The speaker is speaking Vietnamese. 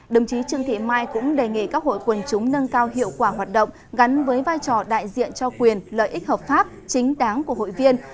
đồng chí trương thị mai cũng đề nghị các hội quần chúng nâng cao hiệu quả hoạt động gắn với vai trò đại diện cho quyền lợi ích hợp pháp chính đáng của hội viên